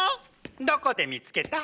⁉どこで見つけた？